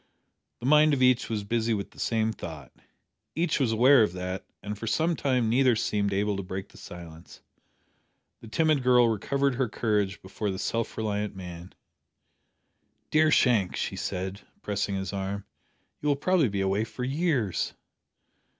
The mind of each was busy with the same thought. Each was aware of that, and for some time neither seemed able to break the silence. The timid girl recovered her courage before the self reliant man! "Dear Shank," she said, pressing his arm, "you will probably be away for years."